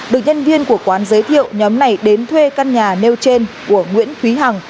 được nhân viên của quán giới thiệu nhóm này đến thuê căn nhà nêu trên của nguyễn thúy hằng